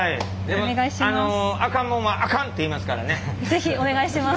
是非お願いします。